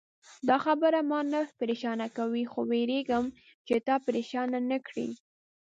دا خبره ما نه پرېشانه کوي، خو وېرېږم چې تا پرېشانه نه کړي.